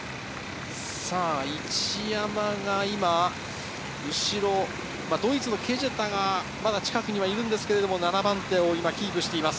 一山が今、後ろ、ドイツのケジェタが近くにいますが、７番手をキープしています。